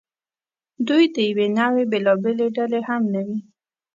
دوی د یوې نوعې بېلابېلې ډلې هم نه وې.